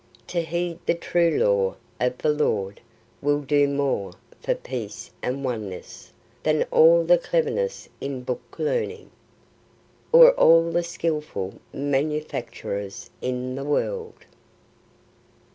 To heed the true law of the Lord will do more for peace and oneness than all the cleverness in book learning, or all the skilful manufactures in the world.